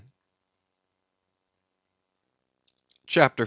CHAPTER 45.